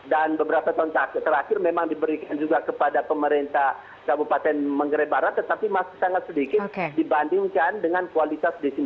dan beberapa tahun terakhir memang diberikan juga kepada pemerintah kabupaten manggarai barat tetapi masih sangat sedikit dibandingkan dengan kualitas disitu